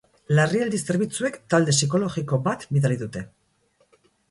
Larrialdi zerbitzuek talde psikologiko bat bidali dute.